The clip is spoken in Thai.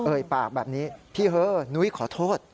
เอ่ยปากแบบนี้พี่เฮอหนุ้ยขอโทษ